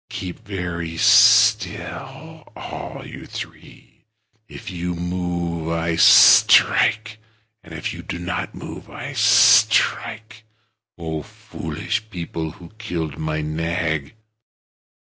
Keep very still, all you three! If you move I strike, and if you do not move I strike. Oh, foolish people, who killed my Nag!"